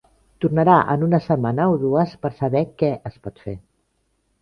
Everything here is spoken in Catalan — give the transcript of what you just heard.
Tornarà en una setmana o dues, per saber què es pot fer.